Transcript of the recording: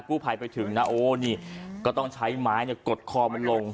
ภัยไปถึงนะโอ้นี่ก็ต้องใช้ไม้กดคอมันลง